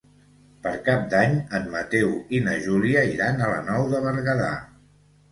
Per Cap d'Any en Mateu i na Júlia iran a la Nou de Berguedà.